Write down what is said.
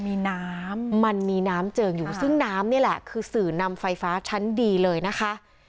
มีน้ำมันมีน้ำเจิงอยู่ซึ่งน้ำนี่แหละคือสื่อนำไฟฟ้าชั้นดีเลยนะคะ